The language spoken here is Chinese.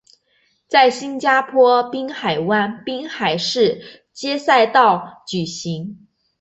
在新加坡滨海湾滨海湾市街赛道举行。